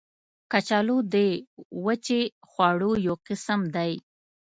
کچالو د وچې خواړو یو قسم دی